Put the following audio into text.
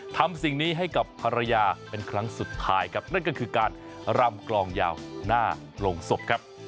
ทำสิ่งนี้ให้กับภรรยาไปสุดท้ายนั่นคือการหร่ำกลองยาวหน้าลงศพ